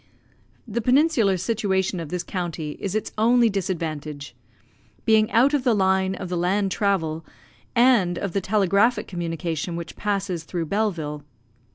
The peninsular situation of this county is its only disadvantage being out of the line of the land travel and of the telegraphic communication which passes through Belleville.